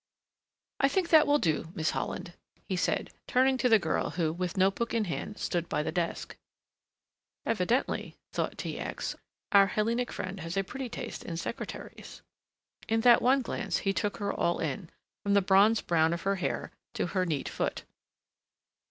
"I think that will do, Miss Holland," he said, turning to the girl who, with notebook in hand, stood by the desk. "Evidently," thought T. X., "our Hellenic friend has a pretty taste in secretaries." In that one glance he took her all in from the bronze brown of her hair to her neat foot.